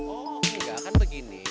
oh iya kan begini